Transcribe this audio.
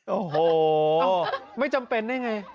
โอ้โหไม่จำเป็นได้ไง